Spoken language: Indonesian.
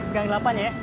gak ngelapan ya